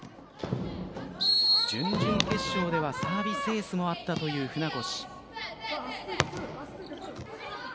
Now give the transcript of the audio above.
準々決勝ではサービスエースもあったという舟越。